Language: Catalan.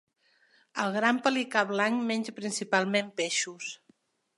El gran pelicà blanc menja principalment peixos.